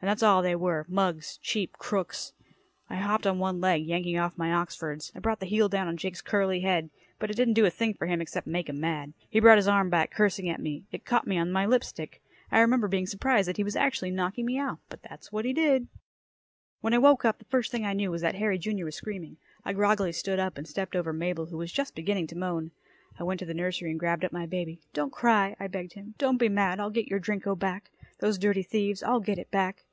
And that's all they were mugs, cheap crooks. I hopped on one leg, yanking off one of my oxfords. I brought the heel down on Jake's curly head. But it didn't do a thing for him, except make him mad. He brought his arm back, cursing at me. It caught me on my lipstick. I remember being surprised that he was actually knocking me out. But that's what he did. When I woke up, the first thing I knew was that Harry, Jr., was screaming. I groggily stood up, and stepped over Mabel, who was just beginning to moan. I went to the nursery and grabbed up my baby. "Don't cry," I begged him. "Don't be mad. I'll get your Drinko back. Those dirty thieves, I'll get it back."